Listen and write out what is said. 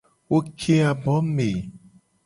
Wo ke abo me.